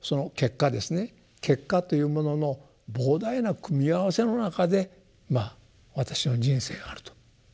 結果というものの膨大な組み合わせの中でまあ私の人生があると。